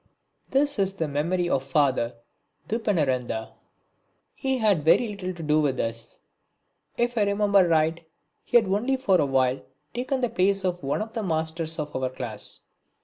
This is the memory of Father DePeneranda. He had very little to do with us if I remember right he had only for a while taken the place of one of the masters of our class.